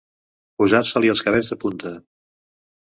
Posar-se-li els cabells de punta.